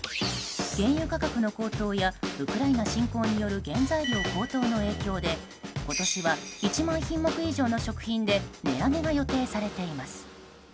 原油価格の高騰やウクライナ侵攻による原材料高騰の影響で今年は１万品目以上の食品で値上げが予定されています。